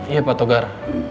iya pak togar